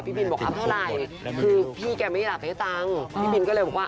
บินบอกเอาเท่าไหร่คือพี่แกไม่ได้หลับให้ตังค์พี่บินก็เลยบอกว่า